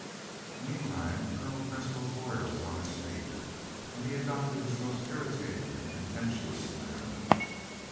Meantime Colonel Cresswell's lawyer was on his feet, and he adopted his most irritating and contemptuous manner.